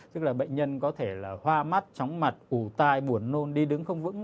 tức là bệnh nhân có thể là hoa mắt tróng mặt ủ tai buồn nôn đi đứng không vững